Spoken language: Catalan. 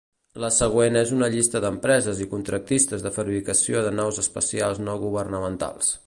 La següent és una llista d'empreses i contractistes de fabricació de naus espacials no-governamentals.